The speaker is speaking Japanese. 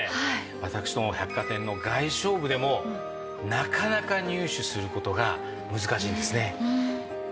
私ども百貨店の外商部でもなかなか入手する事が難しいんですね。